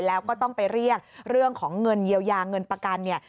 แล้วก็ต้องไปเรียกเรื่องของเงินเยียวยาเงินประกันเนี่ย